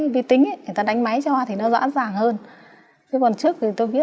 cả nhà nhà tôi suy sụp